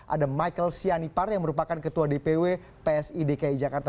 ada michael sianipar yang merupakan ketua dpw psidki jakarta